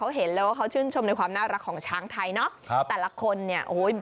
เขาเห็นแล้วว่าเขาชื่นชมในความน่ารักของช้างไทยเนอะครับแต่ละคนเนี่ยโอ้ย